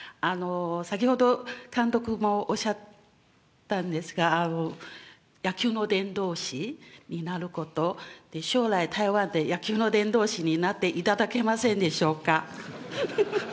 先ほど監督もおっしゃったんですが、野球の伝道師になること、将来、台湾で野球の伝道師になっていただけませんでしょうか。